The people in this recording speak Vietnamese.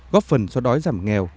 góp phần do đói giảm nghèo